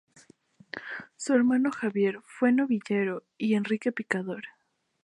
Su hermano Javier fue novillero y Enrique picador.